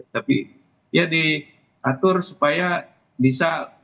tapi ya diatur supaya bisa